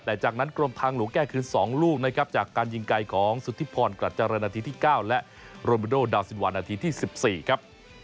แต่จากนั้นกรมทางหลวงแก้คืน๒ลูกนะครับจากการยิงไกลของสุธิพรกรัฐเจริญนาทีที่๙และโรมิโดดาวซินวันนาทีที่๑๔ครับ